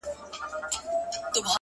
ستړى په گډا سومه !چي! ستا سومه!